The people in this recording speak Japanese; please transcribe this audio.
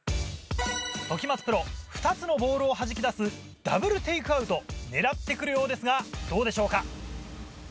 時松プロ２つのボールをはじき出すダブルテイクアウト狙って来るようですがどうでしょうか。